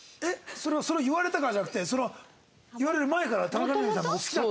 それはそれを言われたからじゃなくてそれを言われる前から田中みな実さんの事好きだった？